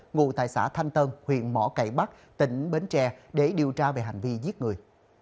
ngụ tại xã thanh tân huyện mỏ cải bắc tỉnh bến tre để điều tra về hành vi giết người